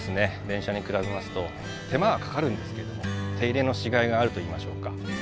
電車に比べますと手間はかかるんですけれども手入れのしがいがあると言いましょうか。